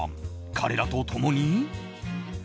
彼らと共に。